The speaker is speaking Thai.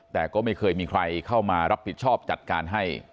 แต่ก็ไม่เคยมีใครเข้ามารับผิดชอบจัดการให้